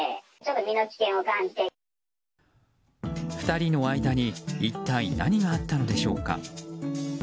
２人の間に一体何があったのでしょうか。